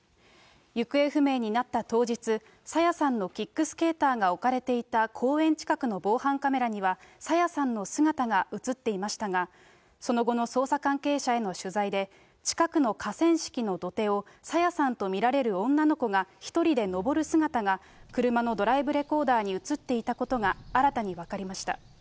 行方不明になった当日、朝芽さんのキックスケーターが置かれていた公園近くの防犯カメラには、朝芽さんの姿が写っていましたが、その後の捜査関係者への取材で、近くの河川敷の土手を朝芽さんと見られる女の子が１人で上る姿が、車のドライブレコーダーに写っていたことが、新たに分かりました。